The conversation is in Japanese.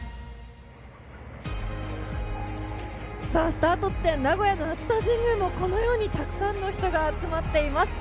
スタート地点名古屋の熱田神宮もたくさんの人が集まっています。